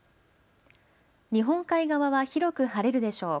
日本海側は広く晴れるでしょう。